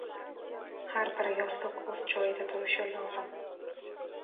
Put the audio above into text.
• Har bir yostiq o‘z joyida turishi lozim.